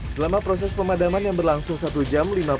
selama proses pemadaman yang berlangsung satu jam